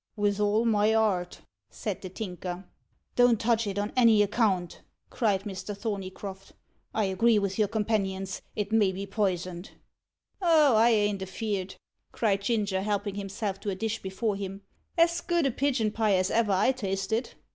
"Vith all my 'art," said the Tinker. "Don't touch it on any account," cried Mr. Thorneycroft. "I agree with your companions, it may be poisoned." "Oh! I ain't afeerd," cried Ginger, helping himself to a dish before him. "As good a pigeon pie as ever I tasted.